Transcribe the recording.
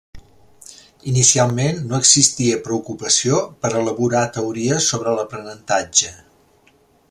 Inicialment no existia preocupació per elaborar teories sobre l'aprenentatge.